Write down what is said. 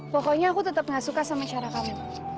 pokoknya aku tetep gak suka sama cara kamu